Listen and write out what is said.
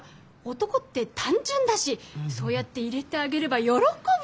男って単純だしそうやっていれてあげれば喜ぶのよ。